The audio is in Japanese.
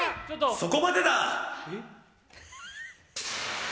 そこまでだ！